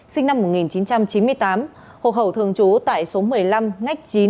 sinh năm một nghìn chín trăm chín mươi tám hộ khẩu thường trú tại số một mươi năm ngách chín